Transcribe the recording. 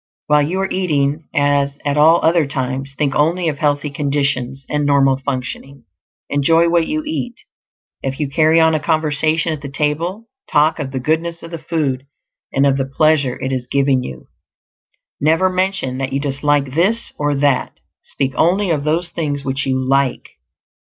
While you are eating, as at all other times, think only of healthy conditions and normal functioning. Enjoy what you eat; if you carry on a conversation at the table, talk of the goodness of the food, and of the pleasure it is giving you. Never mention that you dislike this or that; speak only of those things which you like.